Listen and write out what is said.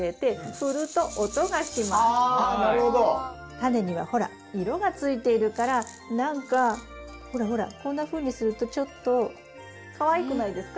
タネにはほら色がついているから何かほらほらこんなふうにするとちょっとかわいくないですか？